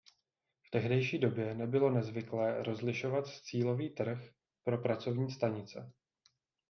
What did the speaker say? V tehdejší době nebylo nezvyklé rozlišovat cílový trh pro pracovní stanice.